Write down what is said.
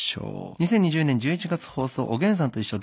２０２０年１１月放送「おげんさんといっしょ」